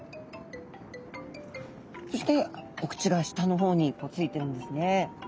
そしてお口が下の方についてるんですね。